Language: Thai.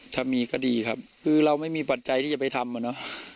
ถ้ามีก็ดีครับคือเราไม่มีปัจจัยที่จะไปทำอะเนาะ